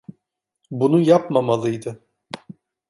Bunu yapmamalıydı.